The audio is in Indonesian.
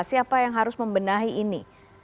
siapa yang harus membenahi ini